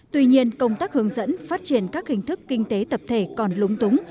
tuy nhiên công tác hướng dẫn phát triển các hình thức kinh tế tập thể còn lúng túng